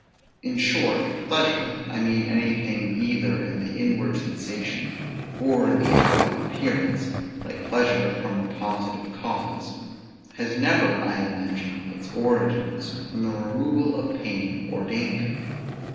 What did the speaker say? In short, pleasure (I mean anything either in the inward sensation, or in the outward appearance, like pleasure from a positive cause) has never, I imagine, its origin from the removal of pain or danger.